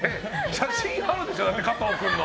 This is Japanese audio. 写真があるでしょ、加藤君の。